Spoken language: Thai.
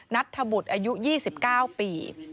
นัทธบุตรอายุ๒๙ปี